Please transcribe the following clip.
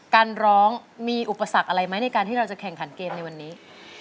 การร้องมีอุปสรรคอะไรไหมในการที่เราจะแข่งขันเกมในวันนี้